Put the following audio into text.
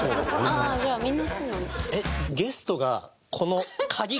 ああじゃあみんなそうなんだ。